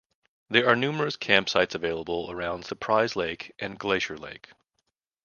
There are numerous campsites available around Surprise Lake and Glacier Lake.